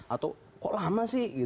atau kok lama sih